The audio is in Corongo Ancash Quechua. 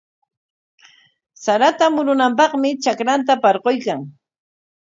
Sarata murunanpaqmi trakranta parquykan.